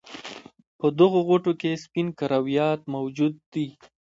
په دغه غوټو کې سپین کرویات موجود دي.